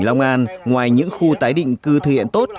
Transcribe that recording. đông an ngoài những khu tái định cư thể hiện tốt